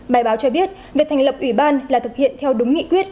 bài báo cho biết việc thành lập ủy ban là thực hiện theo đúng nghị quyết